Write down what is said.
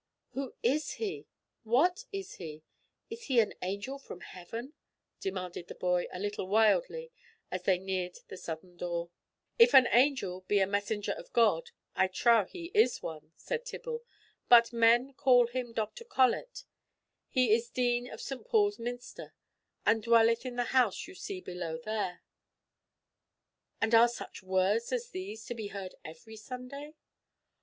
"Who is he? What is he? Is he an angel from Heaven?" demanded the boy, a little wildly, as they neared the southern door. "If an angel be a messenger of God, I trow he is one," said Tibble. "But men call him Dr. Colet. He is Dean of St. Paul's Minster, and dwelleth in the house you see below there." "And are such words as these to be heard every Sunday?"